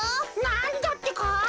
なんだってか？